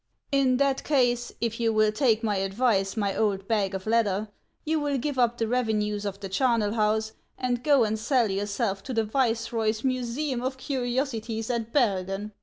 "In that case, if you will take my advice, my old bag of leather, you will give up the revenues of the charnel house, and go and sell yourself to the viceroy's museum of curiosities at Bergen.